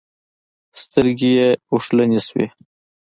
سترګې يې اوښلن شوې.